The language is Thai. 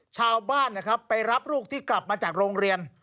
ชาวบ้านนะครับไปรับลูกที่กลับมาจากโรงเรียน